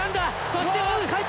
そして追う！